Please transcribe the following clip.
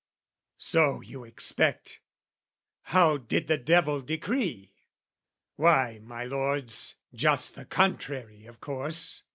So you expect. How did the devil decree? Why, my lords, just the contrary of course!